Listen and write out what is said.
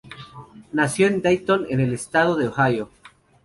Nació en Dayton, en el estado de Ohio.